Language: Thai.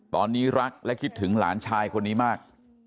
ตอนนี้รักและคิดถึงหลานชายคนนี้มาก